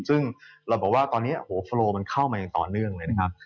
ซึ่งเราบอกว่าตอนนี้โหโลมันเข้ามาอย่างต่อเนื่องเลยนะครับ